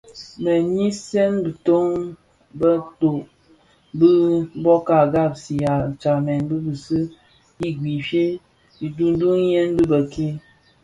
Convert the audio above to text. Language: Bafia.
Me nyisen biton bedho bë bōka ghaksiya stamen bi zi I Guife, nduduyèn dhi bëk-ke.